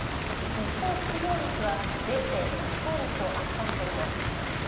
一方、失業率は０．１ポイント悪化しています。